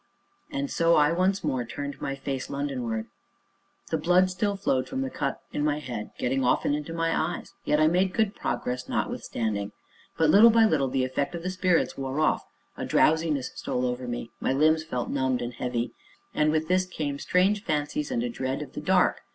And so I, once more, turned my face London wards. The blood still flowed from the cut in my head, getting often into my eyes, yet I made good progress notwithstanding. But, little by little, the effect of the spirits wore off, a drowsiness stole over me, my limbs felt numbed and heavy. And with this came strange fancies and a dread of the dark.